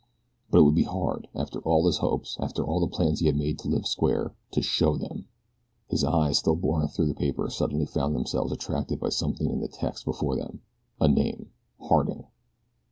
But it would be hard, after all his hopes, after all the plans he had made to live square, to SHOW THEM. His eyes still boring through the paper suddenly found themselves attracted by something in the text before them a name, Harding.